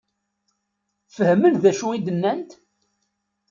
Fehmen d acu i d-nnant?